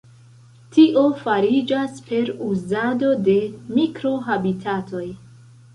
Tio fariĝas per uzado de mikro-habitatoj.